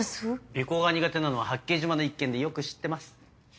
尾行が苦手なのは八景島の一件でよく知ってます。